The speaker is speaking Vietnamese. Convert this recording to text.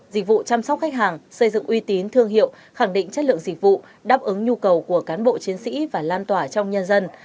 dịch vụ chăm sóc khách hàng xây dựng uy tín thương hiệu khẳng định chất lượng dịch vụ đáp ứng nhu cầu của cán bộ chiến sĩ và lan tỏa trong nhân dân